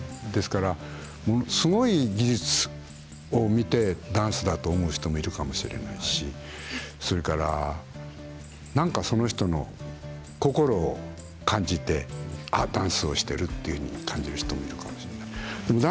ですからすごい技術を見てダンスだと思う人もいるかもしれないしそれから、何かその人の心を感じてああ、ダンスをしていると感じている人もいるかもしれない。